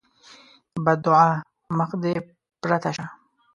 بدعا: مخ دې پرته شه!